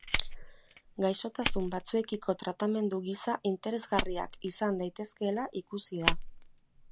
Gaixotasun batzuekiko tratamendu gisa interesgarriak izan daitezkeela ikusi da.